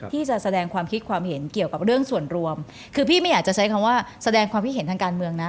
ที่จะแสดงความคิดความเห็นเกี่ยวกับเรื่องส่วนรวมคือพี่ไม่อยากจะใช้คำว่าแสดงความคิดเห็นทางการเมืองนะ